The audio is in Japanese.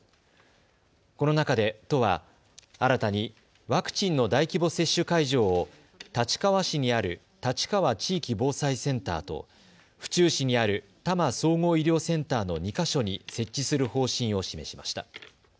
この中で都は新たにワクチンの大規模接種会場を立川市にある立川地域防災センターと府中市にある多摩総合医療センターの２か所に設置する方針を示しました。